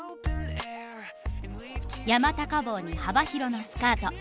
山高帽に幅広のスカート。